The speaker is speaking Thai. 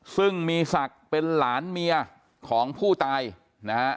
ซึ่งมีศักดิ์เป็นหลานเมียของผู้ตายนะฮะ